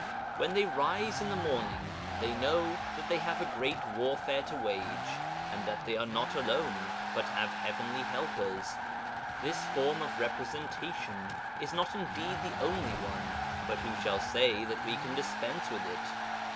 When they rise in the morning they know that they have a great warfare to wage, and that they are not alone, but have heavenly helpers. This form of representation is not indeed the only one, but who shall say that we can dispense with it?